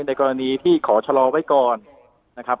ในกรณีที่ขอชะลอไว้ก่อนนะครับ